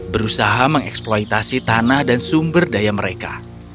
berusaha mengeksploitasi tanah dan sumber daya mereka